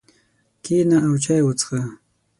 کښېنه او چای وڅښه.